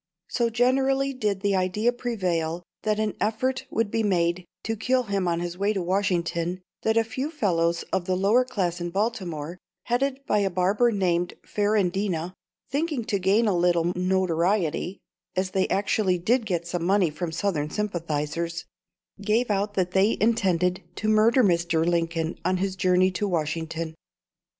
So generally did the idea prevail that an effort would be made to kill him on his way to Washington, that a few fellows of the lower class in Baltimore, headed by a barber named Ferrandina, thinking to gain a little notoriety as they actually did get some money from Southern sympathisers gave out that they intended to murder Mr. Lincoln on his journey to Washington.